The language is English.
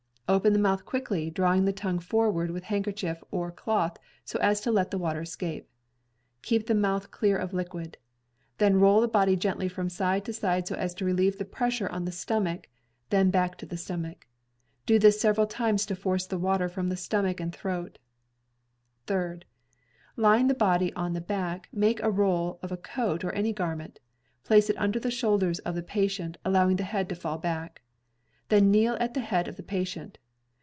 Open the mouth quickly, drawing the tongue forward with hand kerchief or cloth so as to let the water escape. Keep the mouth clear of liquid. Then roll the body gently from side to side so as to relieve the pressure on the stomach, then back to the stomach. Do this several times to force the water from the stomach and throat. Third — Laying the body on the back, make a roll of coat or any garment, place it under the shoulders of patient, allowing the head to fall back. Then kneel at the head of the patient.